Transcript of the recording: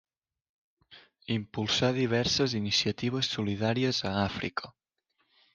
Impulsà diverses iniciatives solidàries a Àfrica.